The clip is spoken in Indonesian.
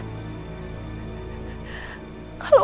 tidak aku tidak mau